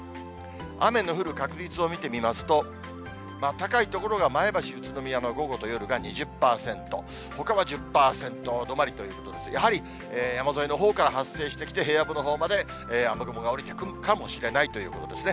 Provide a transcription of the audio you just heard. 雨の降る確率を見てみますと、高い所が前橋、宇都宮の午後と夜が２０％、ほかは１０％止まりということですが、やはり山沿いのほうから発生してきて、平野部のほうまで雨雲が下りてくるかもしれないということですね。